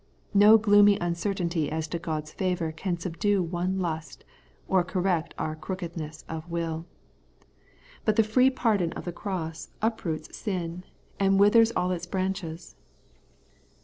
No gloomy uncertainty as to God's favour can subdue one lust, or correct our crookedness of will. But the free pardon of the cross uproots siu, and withers 186 TJie Everlasting Righteousness, all its branclies.